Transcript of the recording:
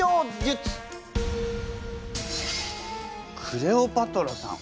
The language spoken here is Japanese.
クレオパトラさん